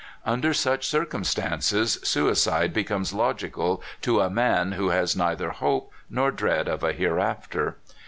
Un der some circumstances, suicide becomes logical to a man who has neither hope nor dread of a hereafter.